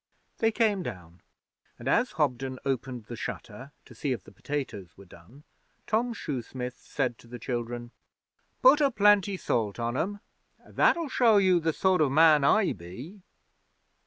They came down, and as Hobden opened the shutter to see if the potatoes were done Tom Shoesmith said to the children, 'Put a plenty salt on 'em. That'll show you the sort o' man I be.'